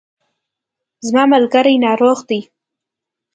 زما ملګری ناروغ دی